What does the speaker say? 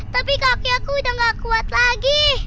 tapi kaki aku sudah tidak kuat lagi